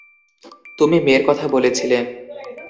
তুমি মে'র কথা বলেছিলে।